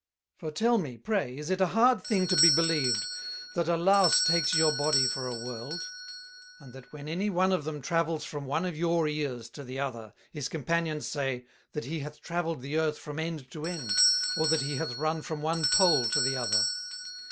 "For tell me, pray, is it a hard thing to be believed, that a Louse takes your Body for a World; and that when any one of them travels from one of your Ears to the other, his Companions say, that he hath travelled the Earth from end to end, or that he hath run from one Pole to the other?